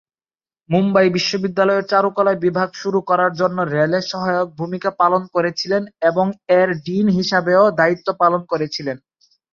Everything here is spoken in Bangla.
মুম্বাই বিশ্ববিদ্যালয়ের চারুকলা বিভাগ শুরু করার জন্য রেলে সহায়ক ভূমিকা পালন করেছিলেন এবং এর ডিন হিসাবেও দায়িত্ব পালন করেছিলেন।